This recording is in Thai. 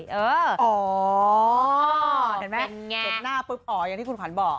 เห็นไหมเห็นหน้าปุ๊บอ๋ออย่างที่คุณขวัญบอก